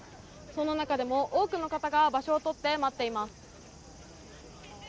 この中でも多くの方が場所を取って、待っています。